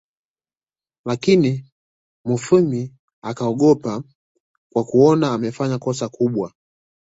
Lakini Mufwimi akaogopa kwa kuona amefanya kosa kubwa